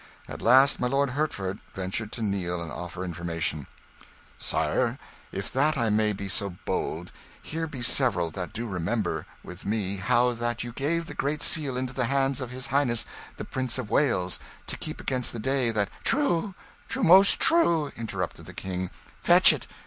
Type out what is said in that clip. At last my Lord Hertford ventured to kneel and offer information "Sire, if that I may be so bold, here be several that do remember with me how that you gave the Great Seal into the hands of his highness the Prince of Wales to keep against the day that " "True, most true!" interrupted the King. "Fetch it!